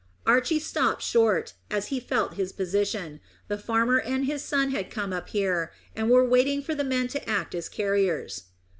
Archy stopped short, as he felt his position. The farmer and his son had come up here, and were waiting for the men to act as carriers.